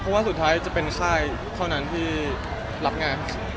เพราะว่าสุดท้ายจะเป็นค่ายเท่านั้นที่รับงาน